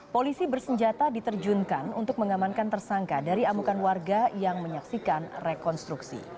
polisi bersenjata diterjunkan untuk mengamankan tersangka dari amukan warga yang menyaksikan rekonstruksi